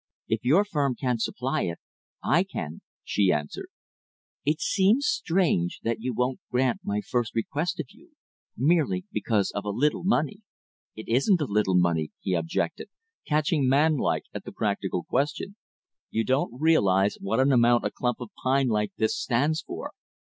"If your firm can't supply it, I can," she answered. "It seems strange that you won't grant my first request of you, merely because of a little money." "It isn't a little money," he objected, catching manlike at the practical question. "You don't realize what an amount a clump of pine like this stands for.